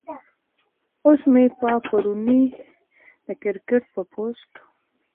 اوس مې پۀ پروني د کرکټ پۀ پوسټ